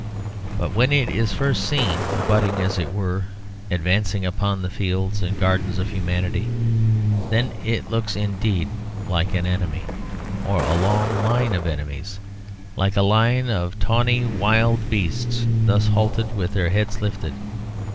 But when it is first seen abutting, and as it were, advancing, upon the fields and gardens of humanity, then it looks indeed like an enemy, or a long line of enemies; like a line of tawny wild beasts thus halted with their heads lifted.